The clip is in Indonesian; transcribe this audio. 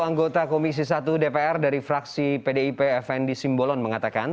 anggota komisi satu dpr dari fraksi pdip fnd simbolon mengatakan